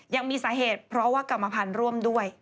ยังมีสาเหตุเพราะว่ากรรมพันธุ์ร่วมด้วย